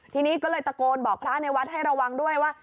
ทีนี้ก็เลยตะโกนบอกพระในวัดให้ระวังด้วยว่า